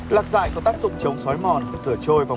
lạc dại có tác dụng chống xói mùi